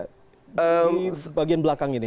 di bagian belakang ini